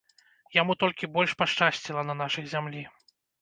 Яму толькі больш пашчасціла на нашай зямлі.